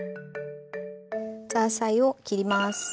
ザーサイを切ります。